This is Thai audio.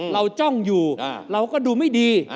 จ้องอยู่เราก็ดูไม่ดี